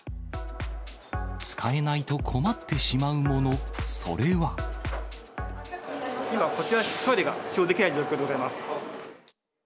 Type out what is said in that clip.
使えないと困ってしまうもの、今、こちらのトイレが使用できない状況でございます。